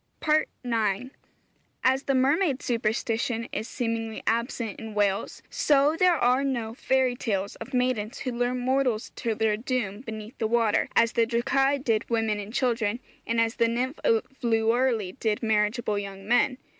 FOOTNOTE: 'Arch. Camb.,' 4th Se., vii., 251. IX. As the mermaid superstition is seemingly absent in Wales, so there are no fairy tales of maidens who lure mortals to their doom beneath the water, as the Dracæ did women and children, and as the Nymph of the Lurley did marriageable young men.